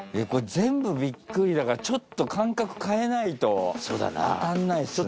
全部ビックリだからちょっと感覚変えないと当たんないっすね。